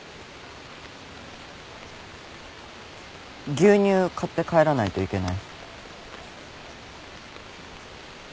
牛乳買って帰らないといけない。